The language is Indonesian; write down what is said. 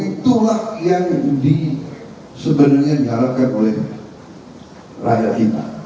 itulah yang kemudian sebenarnya diharapkan oleh rakyat kita